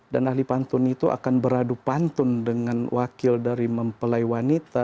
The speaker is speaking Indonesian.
dan ahli pantun itu akan beradu pantun dengan wakil dari mempelai wanita